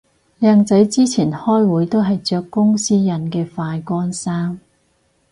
靚仔之前開會都係着公司印嘅快乾衫